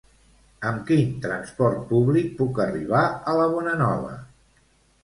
Amb quin transport públic puc arribar a La Bonanova?